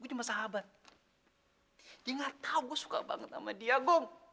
gue cuma sahabat dia gak tau gue suka banget sama dia gong